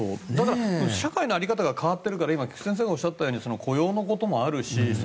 社会の在り方が変わっているから菊地先生がおっしゃったように雇用のこともあるし